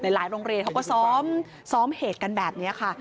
หลายโรงเรียนเขาก็ซ้อมเหตุกันแบบนี้ค่ะ